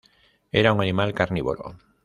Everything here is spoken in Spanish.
Era un animal carnívoro.